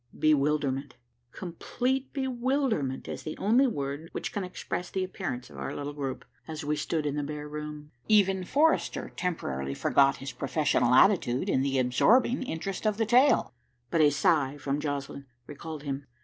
Bewilderment, complete bewilderment, is the only word which can express the appearance of our little group, as we stood in the bare room. Even Forrester temporarily forgot his professional attitude in the absorbing interest of the tale. But a sigh from Joslinn recalled him.